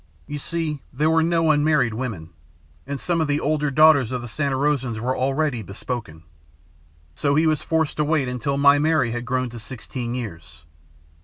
You see, there were no unmarried women, and some of the older daughters of the Santa Rosans were already bespoken. So he was forced to wait until my Mary had grown to sixteen years.